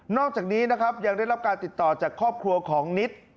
อกจากนี้นะครับยังได้รับการติดต่อจากครอบครัวของนิด